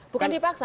bukan dipaksa mas